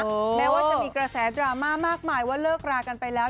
แม้ว่าจะมีกระแสดราม่ามากมายว่าเลิกรากันไปแล้ว